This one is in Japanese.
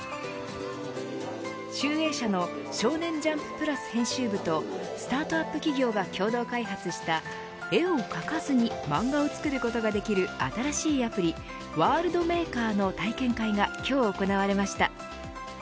集英社の少年ジャンプ＋編集部とスタートアップ企業が共同開発した絵を描かずに漫画を作ることができる新しいアプリＷｏｒｌｄＭａｋｅｒの体験会が今日行われました。